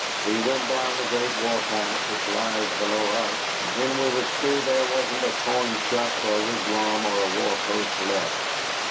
We went down the Great War path which lies below us, and when we was through there wasn't a corn shuck or a wigwam or a war post left.